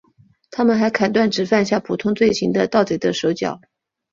他们还砍断只犯下普通罪行的盗贼的手脚。